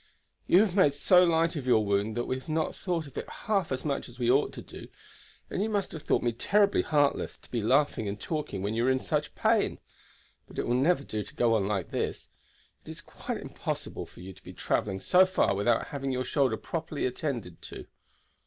"You have made so light of your wound that we have not thought of it half as much as we ought to do, and you must have thought me terribly heartless to be laughing and talking when you were in such pain. But it will never do to go on like this; it is quite impossible for you to be traveling so far without having your shoulder properly attended to."